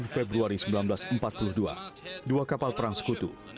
dua puluh februari seribu sembilan ratus empat puluh dua dua kapal perang sekutu